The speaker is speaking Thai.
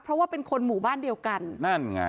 เพราะว่าเป็นคนหมู่บ้านเดียวกันนั่นไง